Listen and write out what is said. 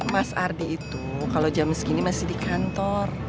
mas ardi itu kalau jam segini masih di kantor